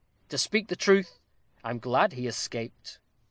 To speak the truth, I'm glad he escaped."